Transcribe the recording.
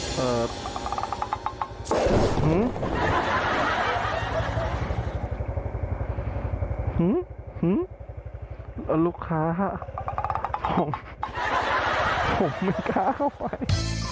หื้อหื้อหื้อลูกค้าผมผมไม่กล้าเข้าไป